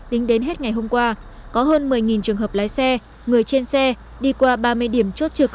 tính đến hết ngày hôm qua có hơn một mươi trường hợp lái xe người trên xe đi qua ba mươi điểm chốt trực